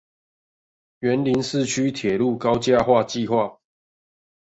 員林市區鐵路高架化計畫